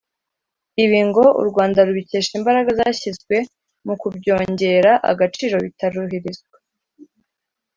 Ibi ngo u Rwanda rubikesha imbaraga zashyizwe mu kubyongerera agaciro bitaroherezwa